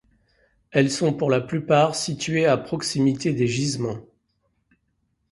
Elles sont pour la plupart situées à proximité des gisements.